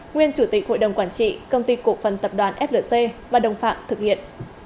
nguyên chủ tịch hội đồng quản trị công ty cổ phần tập đoàn flc và đồng phạm thực hiện